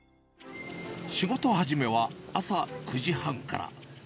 仕事始めは朝９時半から。